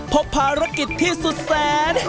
พบภารกิจที่สุดแสน